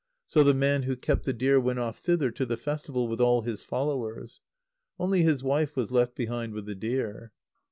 So the man who kept the deer went off thither to the festival with all his followers. Only his wife was left behind with the deer.